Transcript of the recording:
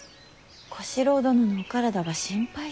小四郎殿のお体が心配です。